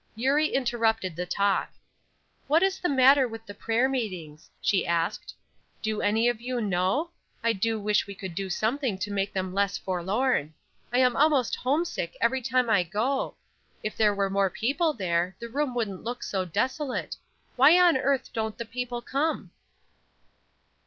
Eurie interrupted the talk: "What is the matter with the prayer meetings?" she asked. "Do any of you know? I do wish we could do something to make them less forlorn. I am almost homesick every time I go. If there were more people there the room wouldn't look so desolate. Why on earth don't the people come?"